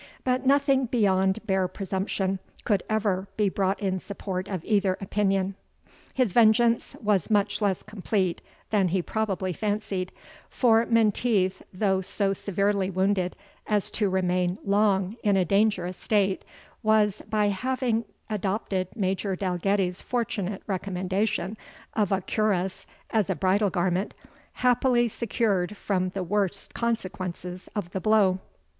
But nothing beyond bare presumption could ever be brought in support of either opinion. His vengeance was much less complete than he probably fancied; for Menteith, though so severely wounded as to remain long in a dangerous state, was, by having adopted Major Dalgetty's fortunate recommendation of a cuirass as a bridal garment, happily secured from the worst consequences of the blow.